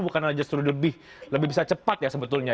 bukannya justru lebih bisa cepat ya sebetulnya